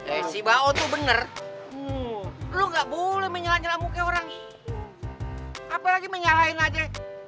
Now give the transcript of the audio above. eh si mbak on tuh bener lo gak boleh menyala nyala muka orang ini apa lagi menyalain aja